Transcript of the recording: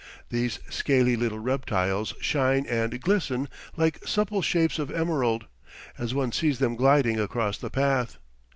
These scaly little reptiles shine and glisten like supple shapes of emerald, as one sees them gliding across the path.